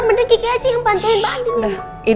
mending kiki aja yang bantuin mbak andin